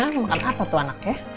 mau makan apa tuh anaknya